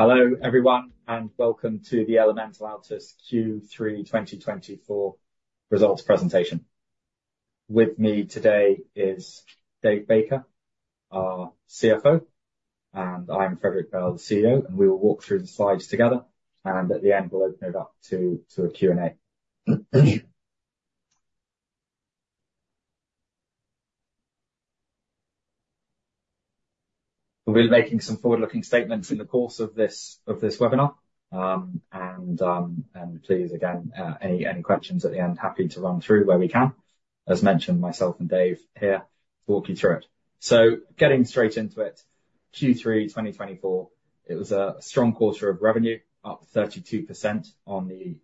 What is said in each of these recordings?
Hello, everyone, and welcome to the Elemental Altus Q3 2024 results presentation. With me today is Dave Baker, our CFO, and I'm Frederick Bell, the CEO, and we will walk through the slides together, and at the end we'll open it up to a Q&A. We'll be making some forward-looking statements in the course of this webinar, and please, again, any questions at the end, happy to run through where we can. As mentioned, myself and Dave here will walk you through it. So, getting straight into it, Q3 2024, it was a strong quarter of revenue, up 32% on the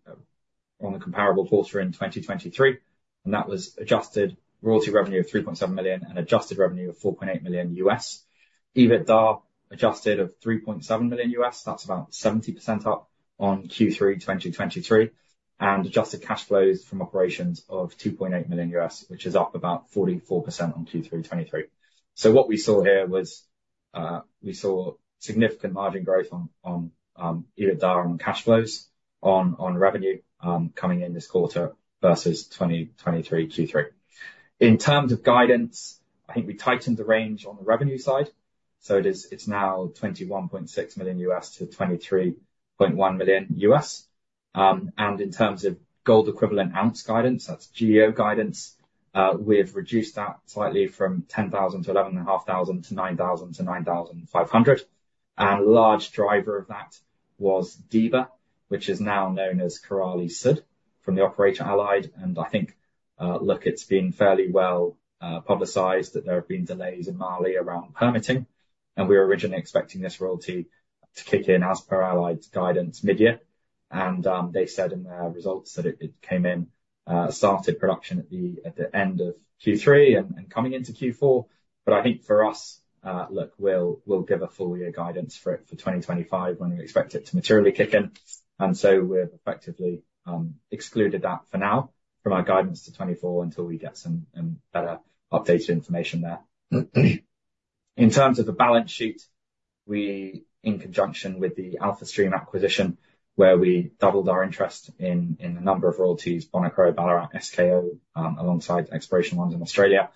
comparable quarter in 2023, and that was adjusted royalty revenue of $3.7 million and adjusted revenue of $4.8 million. Adjusted EBITDA of $3.7 million, that's about 70% up on Q3 2023, and adjusted cash flows from operations of $2.8 million, which is up about 44% on Q3 2023. What we saw here was we saw significant margin growth on EBITDA and cash flows on revenue coming in this quarter versus 2023 Q3. In terms of guidance, I think we tightened the range on the revenue side, so it's now $21.6 million-$23.1 million. In terms of gold equivalent ounce guidance, that's GEO guidance, we've reduced that slightly from 10,000-11,500 to 9,000-9,500. A large driver of that was Diba, which is now known as Korali Sud from the operator Allied, and I think, look, it's been fairly well publicized that there have been delays in Mali around permitting, and we were originally expecting this royalty to kick in as per Allied guidance mid-year. They said in their results that it came in, started production at the end of Q3 and coming into Q4, but I think for us, look, we'll give a full year guidance for it for 2025 when we expect it to materially kick in, and so we've effectively excluded that for now from our guidance to 2024 until we get some better updated information there. In terms of the balance sheet, we, in conjunction with the AlphaStream acquisition, where we doubled our interest in a number of royalties, Bonikro, Ballarat, SKO, alongside other ones in Australia,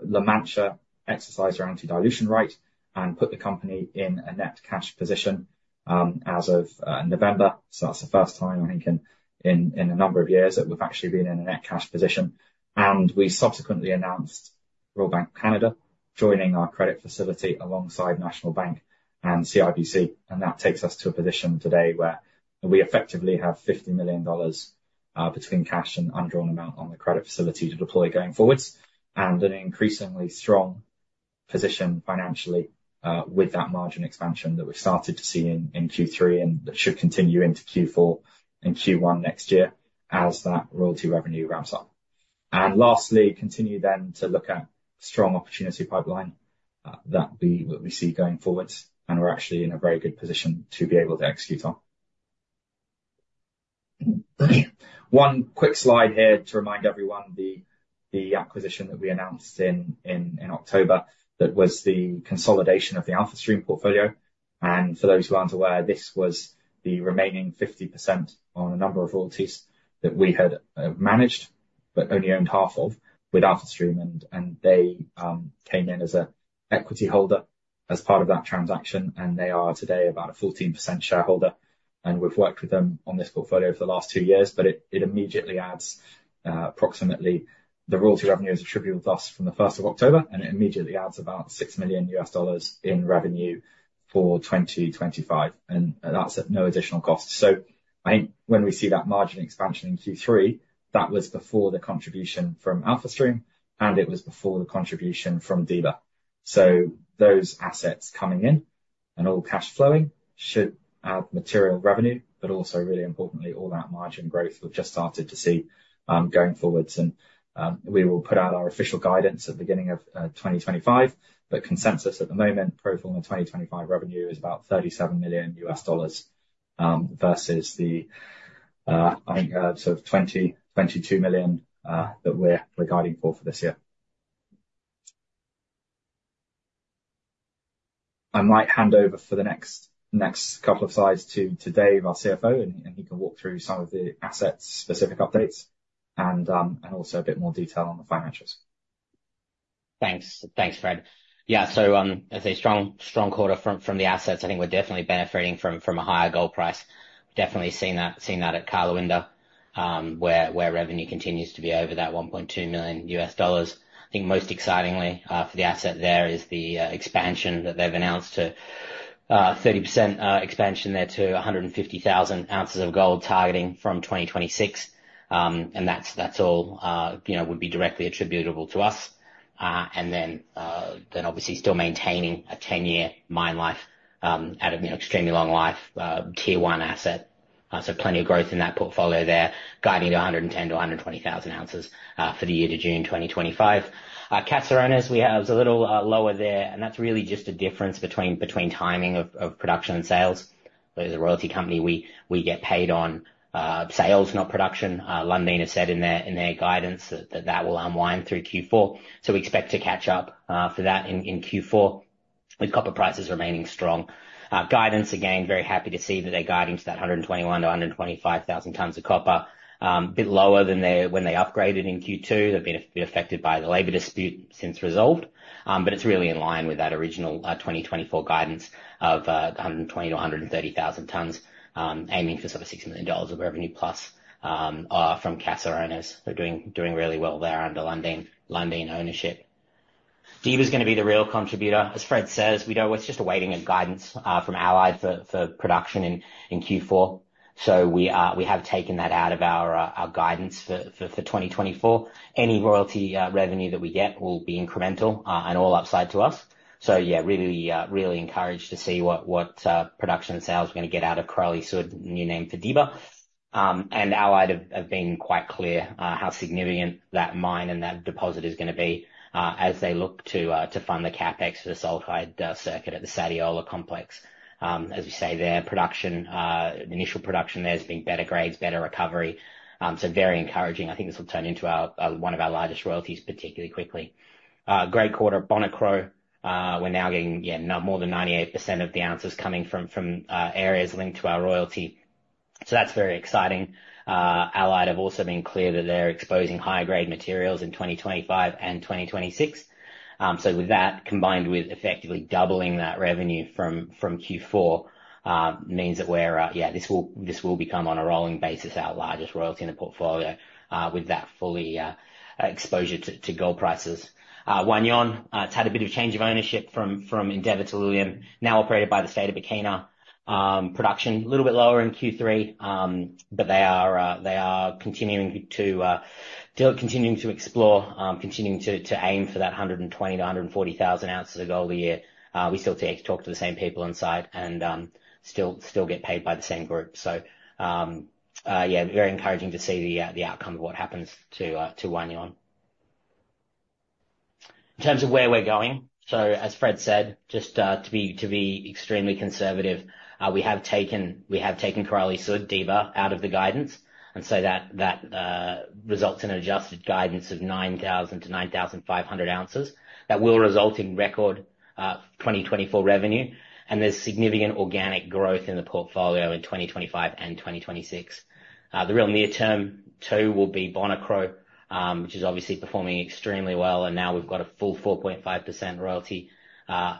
La Mancha exercised her anti-dilution right and put the company in a net cash position as of November, so that's the first time, I think, in a number of years that we've actually been in a net cash position. And we subsequently announced Royal Bank of Canada joining our credit facility alongside National Bank and CIBC, and that takes us to a position today where we effectively have $50 million between cash and undrawn amount on the credit facility to deploy going forwards, and an increasingly strong position financially with that margin expansion that we've started to see in Q3 and that should continue into Q4 and Q1 next year as that royalty revenue ramps up. Lastly, continue then to look at strong opportunity pipeline that we see going forward, and we're actually in a very good position to be able to execute on. One quick slide here to remind everyone, the acquisition that we announced in October that was the consolidation of the AlphaStream portfolio, and for those who aren't aware, this was the remaining 50% on a number of royalties that we had managed, but only owned half of with AlphaStream, and they came in as an equity holder as part of that transaction, and they are today about a 14% shareholder, and we've worked with them on this portfolio for the last two years, but it immediately adds approximately the royalty revenue is attributable to us from the 1st of October, and it immediately adds about $6 million in revenue for 2025, and that's at no additional cost. I think when we see that margin expansion in Q3, that was before the contribution from AlphaStream, and it was before the contribution from Diba. Those assets coming in and all cash flowing should add material revenue, but also really importantly, all that margin growth we've just started to see going forwards, and we will put out our official guidance at the beginning of 2025, but consensus at the moment, pro forma 2025 revenue is about $37 million versus the, I think, sort of $20 million-$22 million that we're guiding for this year. I might hand over for the next couple of slides to Dave, our CFO, and he can walk through some of the asset-specific updates and also a bit more detail on the financials. Thanks, Fred. Yeah, so as a strong quarter from the assets, I think we're definitely benefiting from a higher gold price. Definitely seen that at Karlawinda, where revenue continues to be over that $1.2 million. I think most excitingly for the asset there is the expansion that they've announced, a 30% expansion there to 150,000 ounces of gold targeting from 2026, and that's all would be directly attributable to us, and then obviously still maintaining a 10-year mine life out of an extremely long life Tier one asset, so plenty of growth in that portfolio there, guiding to 110,000-120,000 ounces for the year to June 2025. Caserones, we have a little lower there, and that's really just a difference between timing of production and sales. As a royalty company, we get paid on sales, not production. Lundin has said in their guidance that that will unwind through Q4, so we expect to catch up for that in Q4 with copper prices remaining strong. Guidance, again, very happy to see that they're guiding to that 121 to 125,000 tons of copper, a bit lower than when they upgraded in Q2. They've been a bit affected by the labor dispute since resolved, but it's really in line with that original 2024 guidance of 120 to 130,000 tons, aiming for sort of $6 million of revenue plus from Caserones. They're doing really well there under Lundin ownership. Diba is going to be the real contributor. As Fred says, we're just awaiting guidance from Allied for production in Q4, so we have taken that out of our guidance for 2024. Any royalty revenue that we get will be incremental and all upside to us. So yeah, really encouraged to see what production and sales we're going to get out of Korali Sud, new name for Diba, and Allied have been quite clear how significant that mine and that deposit is going to be as they look to fund the CapEx for the sulfide circuit at the Sadiola complex. As we say there, production, initial production there has been better grades, better recovery, so very encouraging. I think this will turn into one of our largest royalties particularly quickly. Great quarter, Bonikro, we're now getting more than 98% of the ounces coming from areas linked to our royalty, so that's very exciting. Allied have also been clear that they're exposing higher grade materials in 2025 and 2026, so with that combined with effectively doubling that revenue from Q4 means that we're, yeah, this will become on a rolling basis our largest royalty in the portfolio with that full exposure to gold prices. Wahgnion, it's had a bit of change of ownership from Endeavour to Lilium, now operated by the state of Burkina. Production a little bit lower in Q3, but they are continuing to explore, continuing to aim for that 120,000-140,000 ounces of gold a year. We still talk to the same people inside and still get paid by the same group, so yeah, very encouraging to see the outcome of what happens to Wahgnion. In terms of where we're going, so as Fred said, just to be extremely conservative, we have taken Korali Sud, Diba out of the guidance, and so that results in an adjusted guidance of 9,000 to 9,500 ounces. That will result in record 2024 revenue, and there's significant organic growth in the portfolio in 2025 and 2026. The real near-term too will be Bonikro, which is obviously performing extremely well, and now we've got a full 4.5% royalty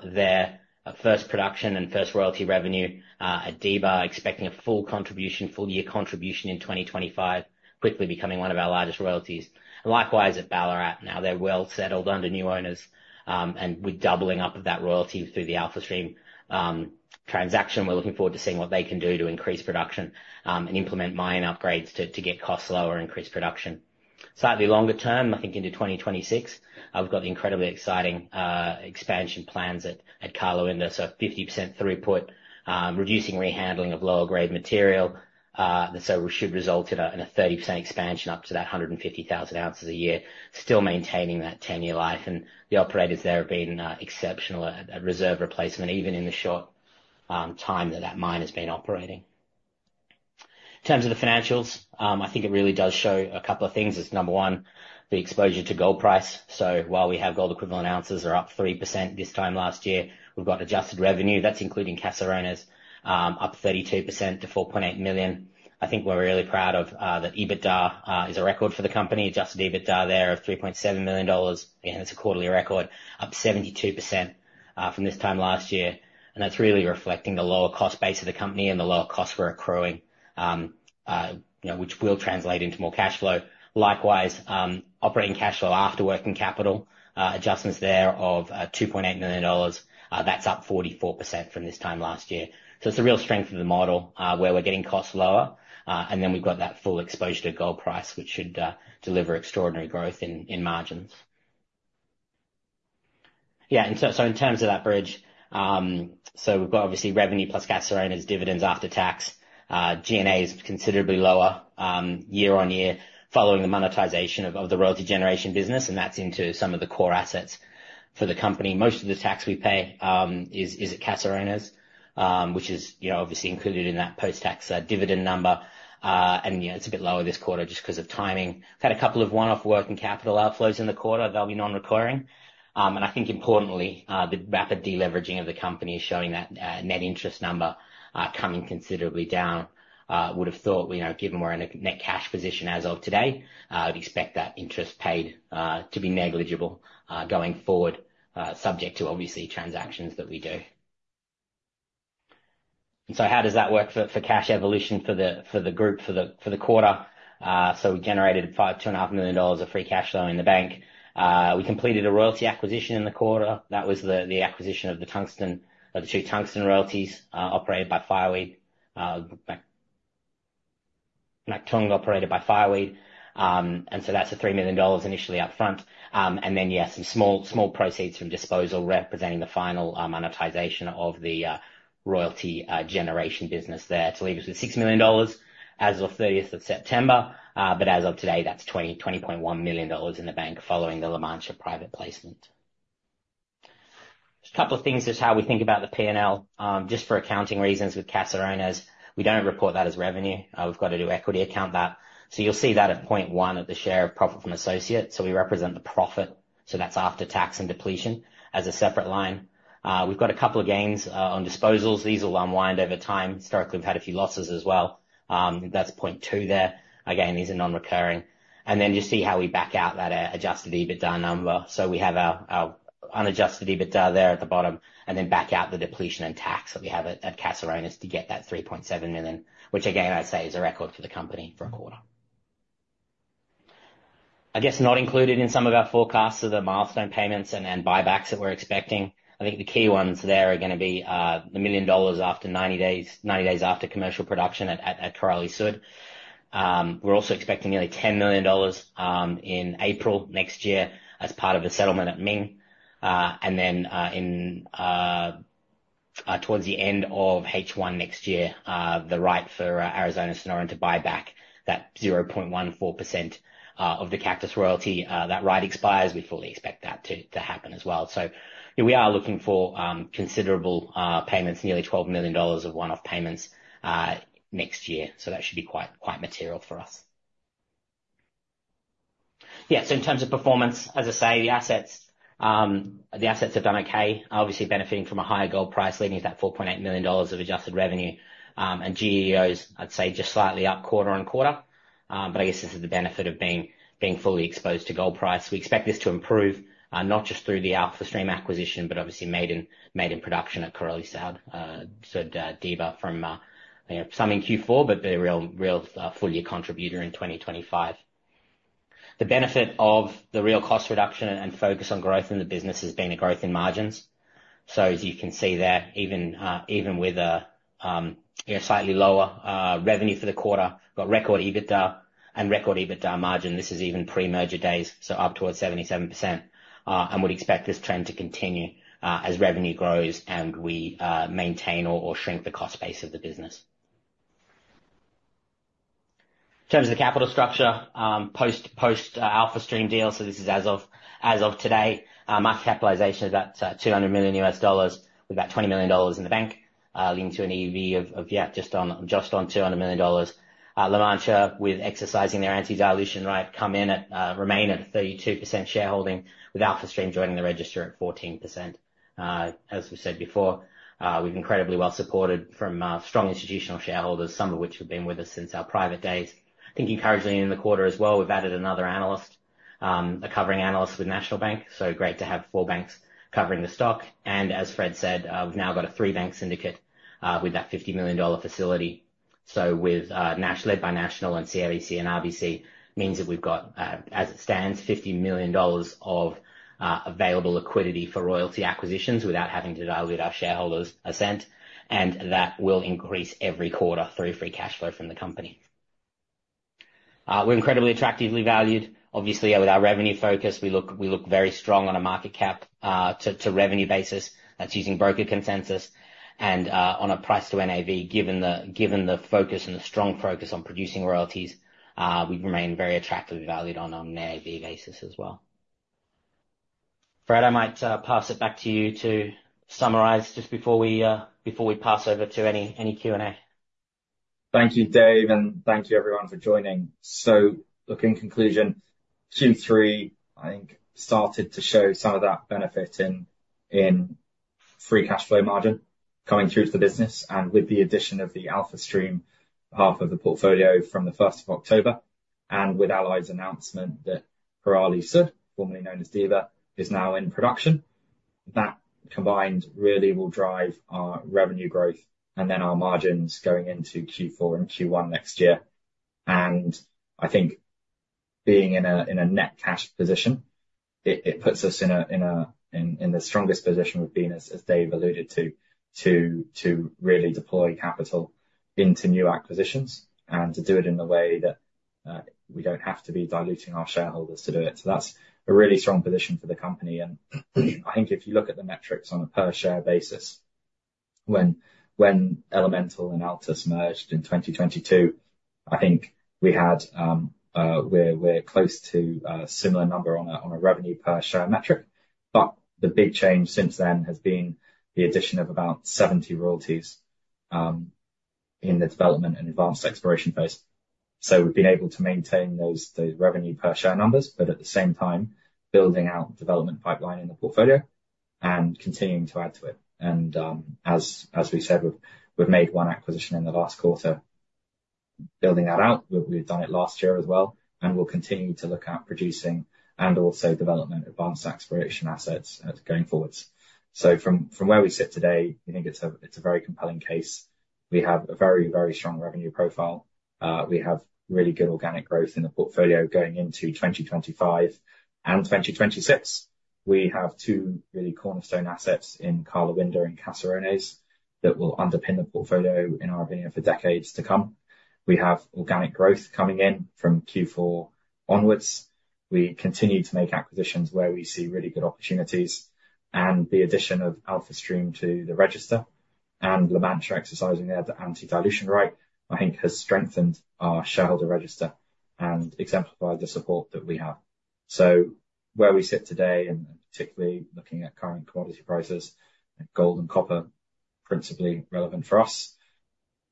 there, first production and first royalty revenue at Diba, expecting a full contribution, full year contribution in 2025, quickly becoming one of our largest royalties. Likewise at Ballarat, now they're well settled under new owners, and we're doubling up that royalty through the AlphaStream transaction. We're looking forward to seeing what they can do to increase production and implement mine upgrades to get costs lower, increase production. Slightly longer term, I think into 2026, we've got the incredibly exciting expansion plans at Karlawinda, so 50% throughput, reducing rehandling of lower grade material, so we should result in a 30% expansion up to that 150,000 ounces a year, still maintaining that 10-year life, and the operators there have been exceptional at reserve replacement even in the short time that that mine has been operating. In terms of the financials, I think it really does show a couple of things. It's number one, the exposure to gold price, so while we have gold equivalent ounces are up 3% this time last year, we've got adjusted revenue, that's including Caserones, up 32% to 4.8 million. I think we're really proud of that. EBITDA is a record for the company, adjusted EBITDA there of $3.7 million, and it's a quarterly record, up 72% from this time last year, and that's really reflecting the lower cost base of the company and the lower costs we're accruing, which will translate into more cash flow. Likewise, operating cash flow after working capital adjustments there of $2.8 million, that's up 44% from this time last year, so it's a real strength of the model where we're getting costs lower, and then we've got that full exposure to gold price, which should deliver extraordinary growth in margins. Yeah, and so in terms of that bridge, so we've got obviously revenue plus Caserones, dividends after tax, G&A is considerably lower year-on-year following the monetization of the royalty generation business, and that's into some of the core assets for the company. Most of the tax we pay is at Caserones, which is obviously included in that post-tax dividend number, and yeah, it's a bit lower this quarter just because of timing. We've had a couple of one-off working capital outflows in the quarter, they'll be non-recurring, and I think importantly, the rapid deleveraging of the company is showing that net interest number coming considerably down. Would have thought, given we're in a net cash position as of today, I'd expect that interest paid to be negligible going forward, subject to obviously transactions that we do. And so how does that work for cash evolution for the group for the quarter? So we generated $2.5 million of free cash flow in the bank. We completed a royalty acquisition in the quarter, that was the acquisition of the two tungsten royalties operated by Fireweed, and so that's a $3 million initially upfront, and then yeah, some small proceeds from disposal representing the final monetization of the royalty generation business there. To leave us with $6 million as of 30th of September, but as of today, that's $20.1 million in the bank following the La Mancha private placement. A couple of things is how we think about the P&L, just for accounting reasons with Caserones, we don't report that as revenue, we've got to do equity account that, so you'll see that at 0.1 of the share of profit from associates, so we represent the profit, so that's after tax and depletion as a separate line. We've got a couple of gains on disposals, these will unwind over time, historically we've had a few losses as well, that's 0.2 there, again these are non-recurring, and then you see how we back out that adjusted EBITDA number, so we have our unadjusted EBITDA there at the bottom, and then back out the depletion and tax that we have at Caserones to get that $3.7 million, which again I'd say is a record for the company for a quarter. I guess not included in some of our forecasts are the milestone payments and buybacks that we're expecting. I think the key ones there are going to be the $1 million after 90 days after commercial production at Korali Sud. We're also expecting nearly $10 million in April next year as part of a settlement at Ming, and then towards the end of H1 next year, the right for Arizona Sonoran to buy back that 0.14% of the Cactus royalty, that right expires, we fully expect that to happen as well. So we are looking for considerable payments, nearly $12 million of one-off payments next year, so that should be quite material for us. Yeah, so in terms of performance, as I say, the assets have done okay, obviously benefiting from a higher gold price leading to that $4.8 million of adjusted revenue, and GEOs, I'd say just slightly up quarter on quarter, but I guess this is the benefit of being fully exposed to gold price. We expect this to improve not just through the AlphaStream acquisition, but obviously maiden production at Korali Sud Diba from sometime in Q4, but the real full year contributor in 2025. The benefit of the real cost reduction and focus on growth in the business has been a growth in margins, so as you can see there, even with a slightly lower revenue for the quarter, we've got record EBITDA and record EBITDA margin, this is even pre-merger days, so up towards 77%, and we'd expect this trend to continue as revenue grows and we maintain or shrink the cost base of the business. In terms of the capital structure, post AlphaStream deal, so this is as of today, market capitalization is about $200 million, we've got $20 million in the bank, leading to an EV of just on $200 million. La Mancha, with exercising their anti-dilution right, come in at, remain at a 32% shareholding, with AlphaStream joining the register at 14%. As we said before, we've been incredibly well supported from strong institutional shareholders, some of which have been with us since our private days. I think encouragingly in the quarter as well, we've added another analyst, a covering analyst with National Bank, so great to have four banks covering the stock, and as Fred said, we've now got a three-bank syndicate with that $50 million facility, so, led by National and CIBC and RBC, means that we've got, as it stands, $50 million of available liquidity for royalty acquisitions without having to dilute our shareholders' assent, and that will increase every quarter through free cash flow from the company. We're incredibly attractively valued, obviously with our revenue focus, we look very strong on a market cap to revenue basis, that's using broker consensus, and on a price to NAV, given the focus and the strong focus on producing royalties, we've remained very attractively valued on an NAV basis as well. Fred, I might pass it back to you to summarize just before we pass over to any Q&A. Thank you, Dave, and thank you everyone for joining. So looking at conclusion, Q3 I think started to show some of that benefit in free cash flow margin coming through to the business, and with the addition of the AlphaStream half of the portfolio from the 1st of October and with Allied's announcement that Korali Sud, formerly known as Diba, is now in production, that combined really will drive our revenue growth and then our margins going into Q4 and Q1 next year. And I think being in a net cash position, it puts us in the strongest position we've been, as Dave alluded to, to really deploy capital into new acquisitions and to do it in a way that we don't have to be diluting our shareholders to do it. So that's a really strong position for the company, and I think if you look at the metrics on a per share basis, when Elemental and Altus merged in 2022, I think we had, we're close to a similar number on a revenue per share metric, but the big change since then has been the addition of about 70 royalties in the development and advanced exploration phase. So we've been able to maintain those revenue per share numbers, but at the same time, building out the development pipeline in the portfolio and continuing to add to it. And as we said, we've made one acquisition in the last quarter, building that out, we've done it last year as well, and we'll continue to look at producing and also development advanced exploration assets going forwards. So from where we sit today, we think it's a very compelling case. We have a very, very strong revenue profile, we have really good organic growth in the portfolio going into 2025 and 2026. We have two really cornerstone assets in Karlawinda and Caserones that will underpin the portfolio in our view for decades to come. We have organic growth coming in from Q4 onwards, we continue to make acquisitions where we see really good opportunities, and the addition of AlphaStream to the register and La Mancha exercising their anti-dilution right, I think has strengthened our shareholder register and exemplified the support that we have, so where we sit today, and particularly looking at current commodity prices, gold and copper principally relevant for us,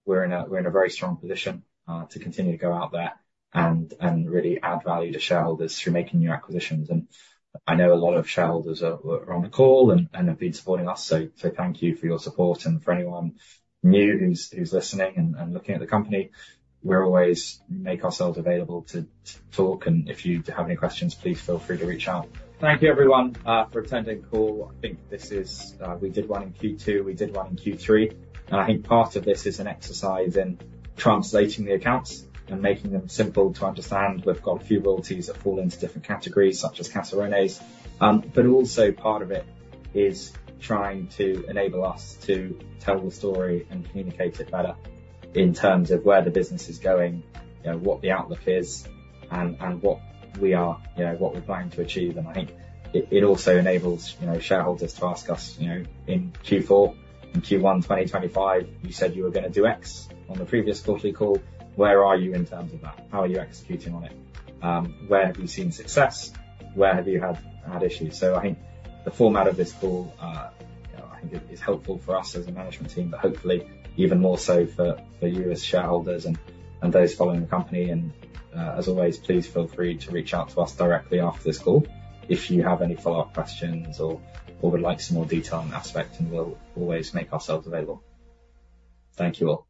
we're in a very strong position to continue to go out there and really add value to shareholders through making new acquisitions. And I know a lot of shareholders are on the call and have been supporting us, so thank you for your support, and for anyone new who's listening and looking at the company, we always make ourselves available to talk, and if you have any questions, please feel free to reach out. Thank you everyone for attending the call. I think this is, we did one in Q2, we did one in Q3, and I think part of this is an exercise in translating the accounts and making them simple to understand. We've got a few royalties that fall into different categories such as Caserones, but also part of it is trying to enable us to tell the story and communicate it better in terms of where the business is going, what the outlook is, and what we are, what we're planning to achieve. And I think it also enables shareholders to ask us in Q4, in Q1 2025, you said you were going to do X on the previous quarterly call, where are you in terms of that? How are you executing on it? Where have you seen success? Where have you had issues? So I think the format of this call, I think it's helpful for us as a management team, but hopefully even more so for you as shareholders and those following the company. And as always, please feel free to reach out to us directly after this call if you have any follow-up questions or would like some more detail on aspects, and we'll always make ourselves available. Thank you all.